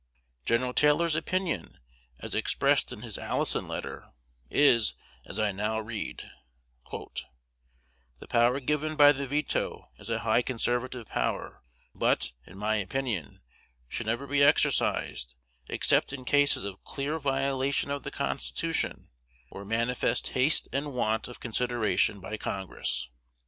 Gen. Taylor's opinion, as expressed in his Allison letter, is as I now read: "The power given by the veto is a high conservative power, but, in my opinion, should never be exercised, except in cases of clear violation of the Constitution, or manifest haste and want of consideration by Congress."